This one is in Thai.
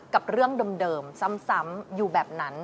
กับเรื่องเดิมซ้ำอยู่แบบนั้น